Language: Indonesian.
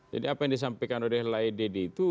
jadi apa yang disampaikan oleh lai dedy itu